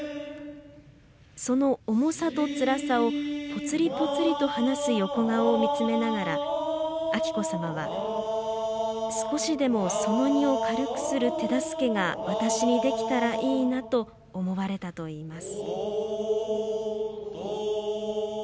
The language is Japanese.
その重さと、つらさをぽつりぽつりと話す横顔を見つめながら彬子さまは「少しでもその荷を軽くする手助けが私にできたらいいな」と思われたといいます。